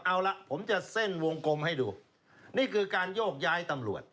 เอาละผมจะเส้นวงกลมให้ดูนี่คือการโยกย้ายตำรวจ